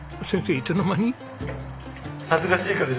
いつの間に？